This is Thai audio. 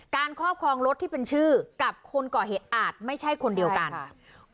ครอบครองรถที่เป็นชื่อกับคนก่อเหตุอาจไม่ใช่คนเดียวกัน